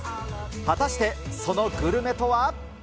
果たしてそのグルメとは？